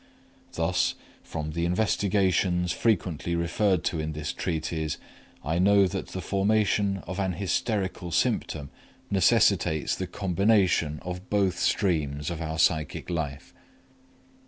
Thus, from the investigations frequently referred to in this treatise, I know that the formation of an hysterical symptom necessitates the combination of both streams of our psychic life.